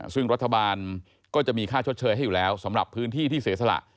ซึ่งรัฐบาลก็จะมีค่าชดเชยให้อยู่แล้วสำหรับพื้นที่ที่เสียสละ